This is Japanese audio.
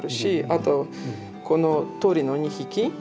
あとこの鳥の２匹。